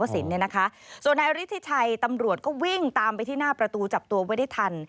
ส่วนนายฤทธิชัยตำรวจก็วิ่งตามไปที่หน้าประตูจับตัวไว้ได้ทัน